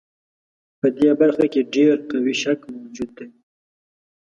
په دې برخه کې ډېر قوي شک موجود دی.